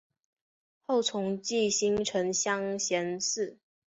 后崇祀新城乡贤祠。